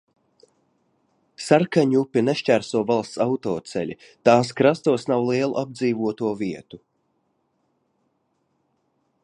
Sarkaņupi nešķērso valsts autoceļi, tās krastos nav lielu apdzīvoto vietu.